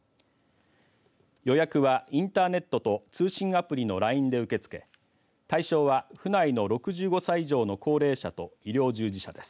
予約はインターネットと通信アプリのＬＩＮＥで受け付け対象は府内の６５歳以上の高齢者と医療従事者です。